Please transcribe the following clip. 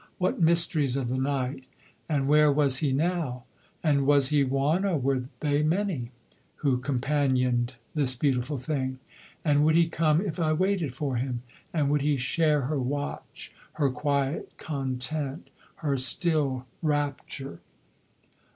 What mysteries of the night? And where was he now? And was he one, or were they many, who companioned this beautiful thing? And would he come if I waited for him? And would he share her watch, her quiet content, her still rapture?